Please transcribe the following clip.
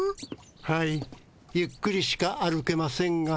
はいゆっくりしか歩けませんが。